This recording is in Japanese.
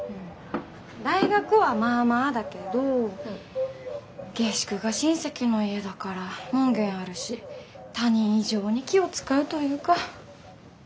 大学はまあまあだけど下宿が親戚の家だから門限あるし他人以上に気を遣うというか。